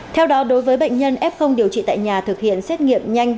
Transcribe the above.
theo đó đối với bệnh nhân f điều trị tại nhà thực hiện xét nghiệm nhanh